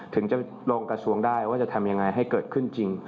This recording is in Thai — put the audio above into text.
ถึงจะลงกระทรวงได้ว่าจะทำยังไงให้เกิดขึ้นจริง